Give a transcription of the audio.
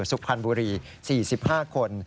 สุขภัณฑ์บุรี๔๕คน